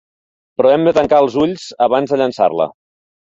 Però hem de tancar els ulls abans de llençar-la.